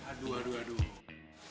aduh aduh aduh